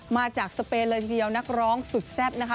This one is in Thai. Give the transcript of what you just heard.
มาจากสเปนเลยทีเดียวนักร้องสุดแซ่บนะคะ